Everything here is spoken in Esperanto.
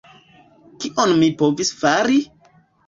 Kion mi povis fari?